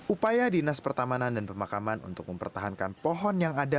upaya dinas pertamanan dan pemakaman untuk mempertahankan pohon yang ada